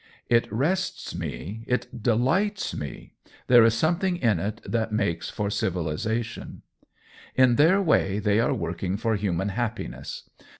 It rests me, it delights me, there is something in it that makes for civilization. COLLABORATION 143 In their way they are working for human happiness.